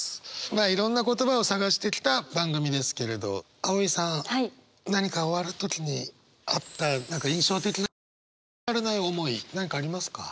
まあいろんな言葉を探してきた番組ですけれど葵さん何か終わる時にあった何か印象的な出来事忘れられない思い何かありますか？